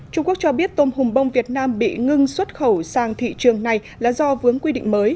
trung quốc cho biết tôm hùm bông việt nam bị ngưng xuất khẩu sang thị trường này là do vướng quy định mới